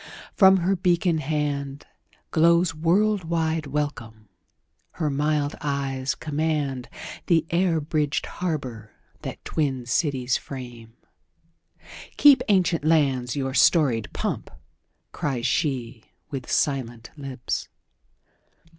From her beacon handGlows world wide welcome; her mild eyes commandThe air bridged harbour that twin cities frame."Keep, ancient lands, your storied pomp!" cries sheWith silent lips.